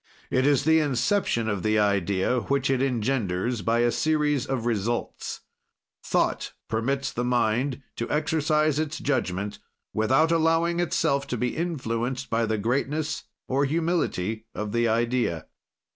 "It is the inception of the idea which it engenders by a series of results. "Thought permits the mind to exercise its judgment without allowing itself to be influenced by the greatness or humility of the idea.